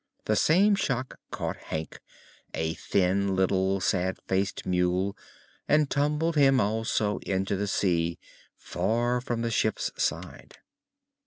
The same shock caught Hank, a thin little, sad faced mule, and tumbled him also into the sea, far from the ship's side.